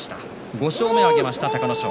５勝目を挙げました隆の勝。